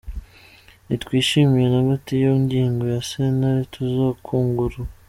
"Ntitwishimiye na gato iyo ngingo ya sentare, tuzokwunguruza.